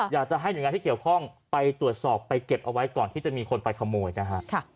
อยากจะให้หน่วยงานที่เกี่ยวข้องไปตรวจสอบไปเก็บเอาไว้ก่อนที่จะมีคนไปขโมยนะฮะ